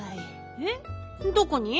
えっどこに？